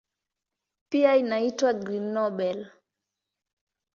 Pia inaitwa "Green Nobel".